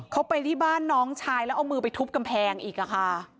เขาไปที่บ้านน้องชายแล้วเอามือไปทุบกำแพงอีกค่ะ